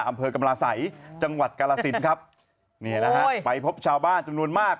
อำเภอกรรมลาสัยจังหวัดกรราศิลป์ครับไปพบชาวบ้านจำนวนมาก